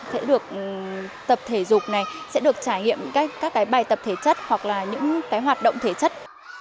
sẽ được tập thể dục này sẽ được trải nghiệm các cái bài tập thể chất hoặc là những cái hoạt động thể chất